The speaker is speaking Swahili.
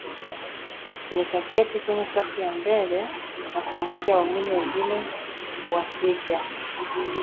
Nikaketi kwenye safu ya mbele na kuwangoja waumini wengine wafike